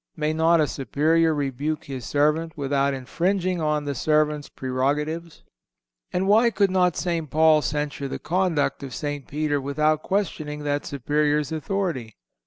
May not a superior rebuke his servant without infringing on the servant's prerogatives? And why could not St. Paul censure the conduct of St. Peter without questioning that superior's authority?